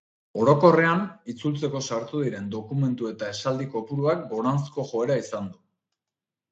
Orokorrean, itzultzeko sartu diren dokumentu eta esaldi kopuruak goranzko joera izan du.